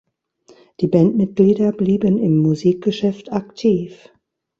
Die Bandmitglieder blieben im Musikgeschäft aktiv.